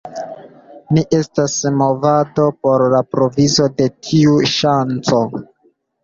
Ni estas movado por la provizo de tiu ŝanco.